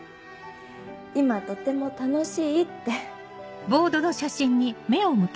今とても楽しい」って。